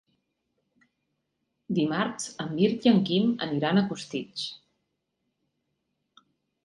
Dimarts en Mirt i en Quim aniran a Costitx.